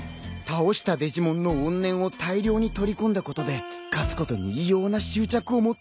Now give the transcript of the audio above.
倒したデジモンの怨念を大量に取り込んだことで勝つことに異様な執着を持ってるんだ。